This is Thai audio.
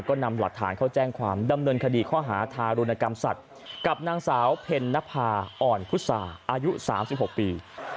ก็นำหลักฐานเข้าแจ้งความดำเนินคดีข้อหาทารุณกรรมสัตว์กับนางสาวเพ็ญนภาอ่อนพุษาอายุ๓๖ปี